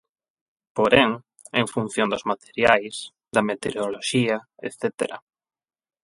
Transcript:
Porén, en función dos materiais, da meteoroloxía etcétera.